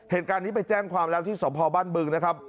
เหตุการณ์นี้ไปแจ้งความแล้วที่สมภาพบ้านบึงนะครับ